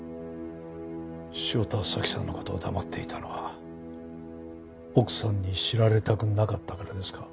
汐田早紀さんの事を黙っていたのは奥さんに知られたくなかったからですか？